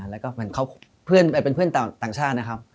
แล้วก็เป็นเพื่อนต่างชาตินะครับ